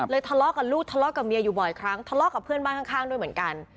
ทะเลาะกับลูกทะเลาะกับเมียอยู่บ่อยครั้งทะเลาะกับเพื่อนบ้านข้างด้วยเหมือนกัน